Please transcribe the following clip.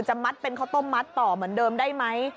มัดเป็นข้าวต้มมัดต่อเหมือนเดิมได้ไหม